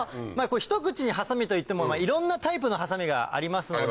ひとくちにハサミといってもいろんなタイプのハサミがありますので。